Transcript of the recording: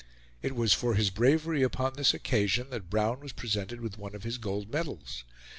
It was for his bravery upon this occasion that Brown was presented with one of his gold medals.